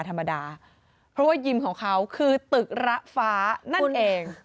ธรรมดาเพราะว่ายิมของเขาคือตึกระฟ้านั่นเอง